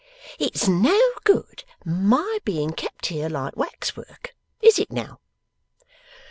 It's no good my being kept here like Wax Work; is it now?